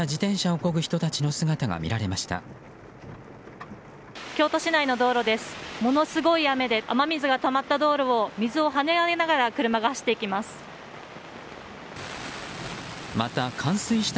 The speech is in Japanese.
ものすごい雨で雨水がたまった道路を水を跳ね上げながら車が走っていきます。